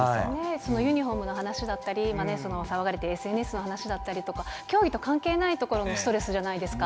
そのユニホームの話だったり、騒がれているＳＮＳの話だったりとか、競技と関係ないところのストレスじゃないですか。